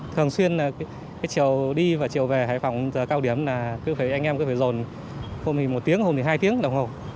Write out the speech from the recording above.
thường xuyên là chiều đi và chiều về hải phòng cao điểm là anh em cứ phải dồn hôm thì một tiếng hôm thì hai tiếng đồng hồ